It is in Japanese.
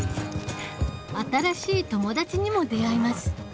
新しい友達にも出会います